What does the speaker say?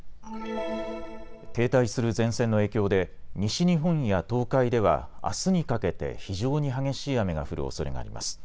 停滞する前線の影響で、西日本や東海ではあすにかけて非常に激しい雨が降るおそれがあります。